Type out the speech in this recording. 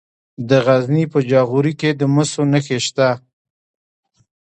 د غزني په جاغوري کې د مسو نښې شته.